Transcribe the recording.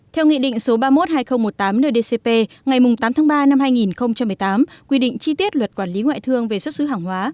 theo nghị định số ba mươi một hai nghìn một mươi tám ndcp ngày tám tháng ba năm hai nghìn một mươi tám quy định chi tiết luật quản lý ngoại thương về xuất xứ hàng hóa